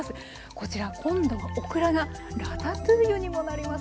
こちら今度はオクラがラタトゥイユにもなります。